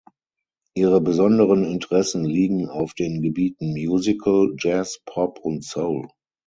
Ihre besonderen Interessen liegen auf den Gebieten Musical, Jazz, Pop und Soul.